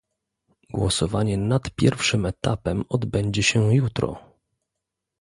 Głosowanie nad pierwszym etapem odbędzie się jutro